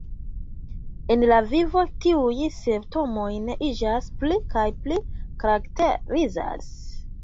En la vivo tiuj simptomoj iĝas pli kaj pli karakterizaj.